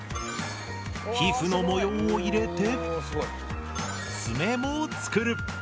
皮膚の模様を入れて爪も作る。